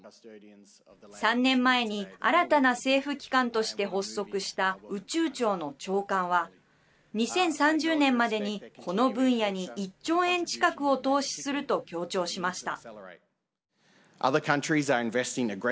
３年前に新たな政府機関として発足した宇宙庁の長官は２０３０年までに、この分野に１兆円近くを投資すると強調しました。